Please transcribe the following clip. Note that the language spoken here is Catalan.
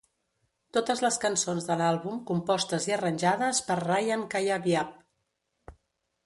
Totes les cançons de l'àlbum compostes i arranjades per Ryan Cayabyab.